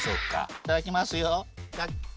いただきますよ。